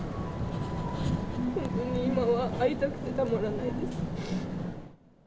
本当に今は、会いたくてたまらないです。